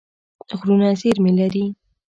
غرونه زېرمې لري.